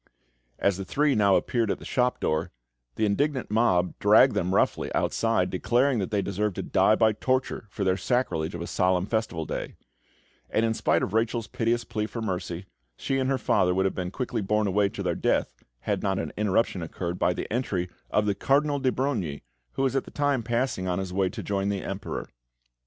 As the three now appeared at the shop door, the indignant mob dragged them roughly outside, declaring that they deserved to die by torture for their sacrilege of a solemn Festival Day; and, in spite of Rachel's piteous plea for mercy, she and her father would have been quickly borne away to their death, had not an interruption occurred by the entry of the Cardinal de Brogni, who was at the time passing on his way to join the Emperor.